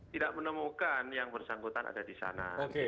tidak menemukan yang bersangkutan ada di sana